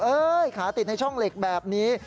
ขาติดในช่องเหล็กแบบนี้